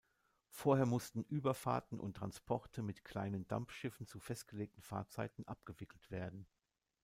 Vorher mussten Überfahrten und Transporte mit kleinen Dampfschiffen zu festgelegten Fahrtzeiten abgewickelt werden.